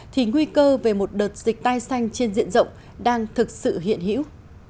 thì nguy cơ về một đợt dịch tai xanh trên diện rộng đang thực sự hiện hữu